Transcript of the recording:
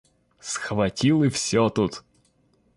Схватил и всё тут.